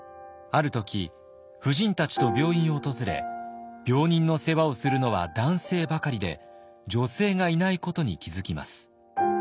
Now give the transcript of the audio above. ある時夫人たちと病院を訪れ病人の世話をするのは男性ばかりで女性がいないことに気付きます。